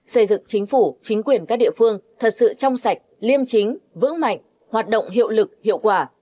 xây dựng chính phủ chính quyền các địa phương thật sự trong sạch liêm chính vững mạnh hoạt động hiệu lực hiệu quả